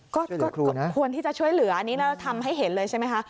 ก็ควรที่จะช่วยเหลืออันนี้เราทำให้เห็นเลยใช่ไหมคะ